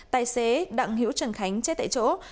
tài xế đặng hữu trần khánh chết tại chỗ